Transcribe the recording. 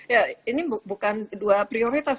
ya ini bukan dua prioritas